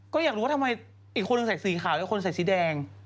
ก็อยากรู้ว่าทำไมอีกคนหนึ่งใส่สีขาวและคนใส่สีแดง